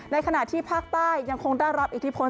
ขณะที่ภาคใต้ยังคงได้รับอิทธิพล